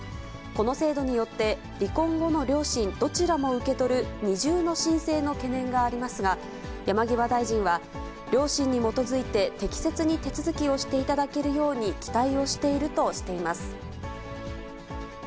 この制度によって、離婚後の両親どちらも受け取る二重の申請の懸念がありますが、山際大臣は、良心に基づいて適切に手続きをしていただけるように期待をしているとしています。